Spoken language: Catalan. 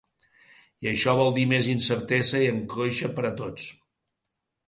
I això vol dir més incertesa i angoixa per a tots.